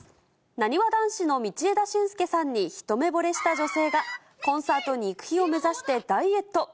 なにわ男子の道枝駿佑さんに一目ぼれした女性が、コンサートに行く日を目指してダイエット。